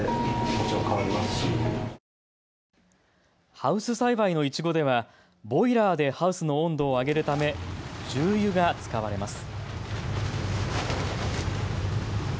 ハウス栽培のイチゴではボイラーでハウスの温度を上げるため重油が使われます。